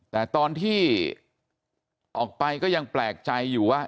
แต่ตอนที่ออกไปก็ยังแปลกใจอยู่ว่า